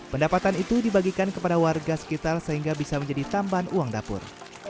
pendapatan itu dibagikan kepada warga sekitar sehingga bisa menjadi tambahan uang dapur